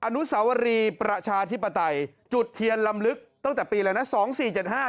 อนุสาวรีประชาธิปไตยจุดเทียนลำลึกตั้งแต่ปีอะไรนะ๒๔๗๕ใช่ไหม